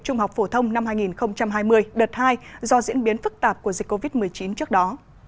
trung học phổ thông năm hai nghìn hai mươi đợt hai do diễn biến phức tạp của dịch covid một mươi chín trước đó